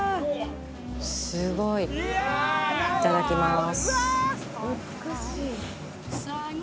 すごい。いただきます。